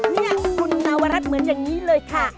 นี่คุณนวรัฐเหมือนอย่างนี้เลยค่ะ